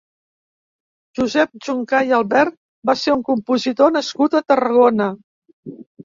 Josep Juncà i Albert va ser un compositor nascut a Tarragona.